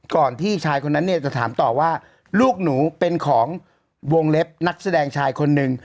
ก่อนที่ชายคนนั้นเนี่ยจะถามต่อว่าลูกหนูเป็นของวงเล็บนักแสดงชายคนหนึ่ง